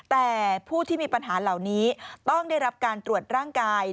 แต่ผู้ที่มีปัญหาเหล่านี้ต้องได้รับการตรวจร่างกาย